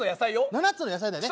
７つの野菜だよね。